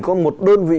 có một đơn vị